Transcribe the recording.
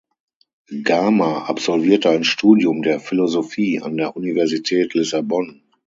Gama absolvierte ein Studium der Philosophie an der Universität Lissabon.